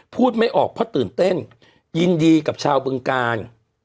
พูดไม่ออกเพราะตื่นเต้นยินดีกับชาวบึงการ